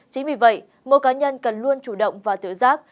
chính vì vậy mỗi cá nhân cần luôn chủ động và tự giác